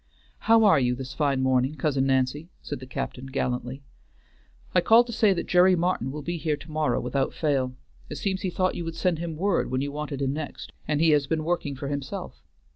"How are you this fine morning, Cousin Nancy?" said the captain gallantly. "I called to say that Jerry Martin will be here to morrow without fail. It seems he thought you would send him word when you wanted him next, and he has been working for himself.